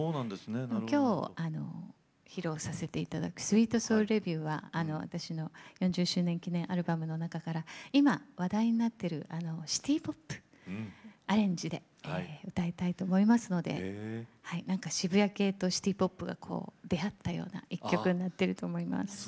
きょう披露させていただく「スウィート・ソウル・レヴュー」は私の４０周年記念のアルバムの中から今話題になっているシティーポップのアレンジで歌いたいと思いますので渋谷系とシティーポップが出会ったような１曲になってると思います。